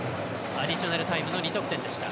アディショナルタイムの２得点でした。